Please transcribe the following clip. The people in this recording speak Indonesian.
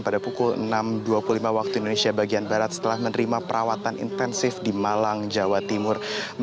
pada pukul enam dua puluh lima waktu indonesia bagian barat setelah menerima perawatan intensif di malang jawa timur